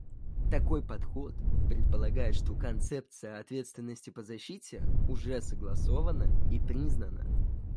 Такой подход предполагает, что концепция «ответственности по защите» уже согласована и признана.